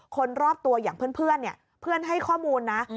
คนรอบตัวอย่างเพื่อนเนี่ยเพื่อนให้ข้อมูลนะ